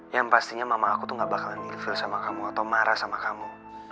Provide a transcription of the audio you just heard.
yang pastinya mama aku tuh gak bakalan infill sama kamu atau marah sama kamu